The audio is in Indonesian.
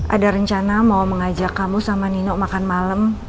ada rencana mau mengajak kamu sama nino makan malam